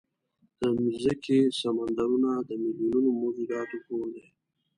د مځکې سمندرونه د میلیونونو موجوداتو کور دی.